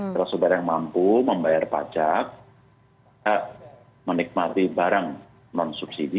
kalau saudara yang mampu membayar pajak menikmati barang non subsidi